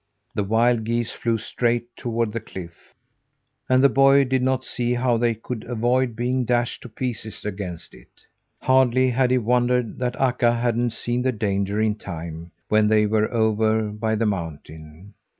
The wild geese flew straight toward the cliff, and the boy did not see how they could avoid being dashed to pieces against it. Hardly had he wondered that Akka hadn't seen the danger in time, when they were over by the mountain.